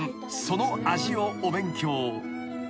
その味をお勉強］